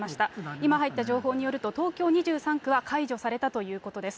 今入った情報によると、東京２３区は解除されたということです。